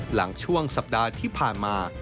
หลังช่วงสัปดาห์ที่ผ่านมา